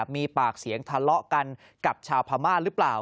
มีปากเสียงทะเลาะกันกับชาวพม่าหรือเปล่า